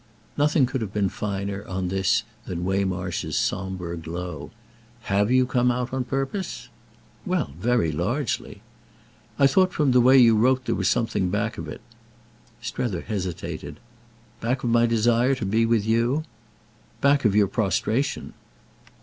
Nothing could have been finer, on this, than Waymarsh's sombre glow. "Have you come out on purpose?" "Well—very largely." "I thought from the way you wrote there was something back of it." Strether hesitated. "Back of my desire to be with you?" "Back of your prostration."